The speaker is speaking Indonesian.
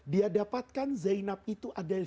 dia dapatkan zainab itu adalah